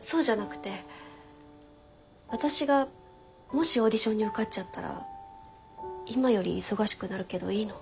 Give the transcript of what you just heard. そうじゃなくて私がもしオーディションに受かっちゃったら今より忙しくなるけどいいの？